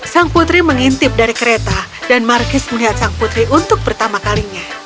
sang putri mengintip dari kereta dan markis melihat sang putri untuk pertama kalinya